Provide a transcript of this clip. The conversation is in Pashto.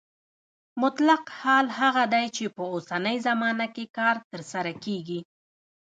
مطلق حال هغه دی چې په اوسنۍ زمانه کې کار ترسره کیږي.